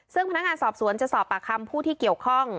ซึ่งพนักงานสอบสวนจะสอบปากคำผู้ที่เกี่ยวข้อง